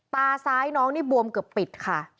ตาซ้ายน้องนี่บวมเกือบปิดค่ะ